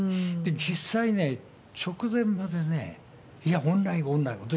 実際ね、直前までね、いや、オンライン、オンラインと。